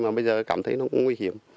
mà bây giờ cảm thấy nó cũng nguy hiểm